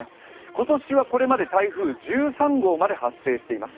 今年はここまで台風１３号まで発生しています。